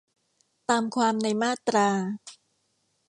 ตามความในมาตรา